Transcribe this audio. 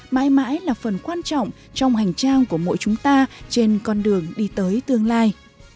mãi mãi là phần quan trọng trong hành trang của mỗi chúng ta trên con đường đi tới tương lai